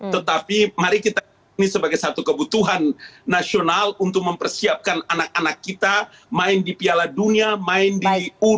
tetapi mari kita ini sebagai satu kebutuhan nasional untuk mempersiapkan anak anak kita main di piala dunia main di u dua puluh